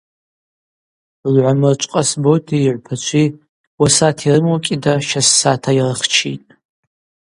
Лгӏвамрычв Къасботи йыгӏвпачви, уасата йрыму кӏьыда щассата йырхчитӏ.